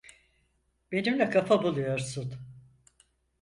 Benimle kafa buluyorsun.